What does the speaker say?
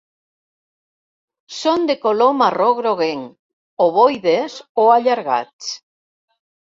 Són de color marró-groguenc, ovoides o allargats.